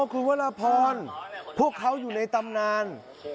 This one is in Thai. คุณวรพรพวกเขาอยู่ในตำนาน